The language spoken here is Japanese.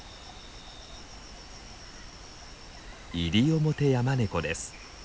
イリオモテヤマネコです。